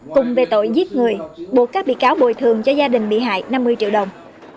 cùng về tội giết người buộc các bị cáo bồi thường cho gia đình bị hại năm mươi triệu đồng